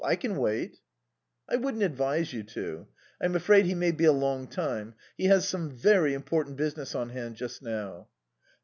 I can wait." "I wouldn't advise you to. I'm afraid he may be a long time. He has some very important business on hand just now."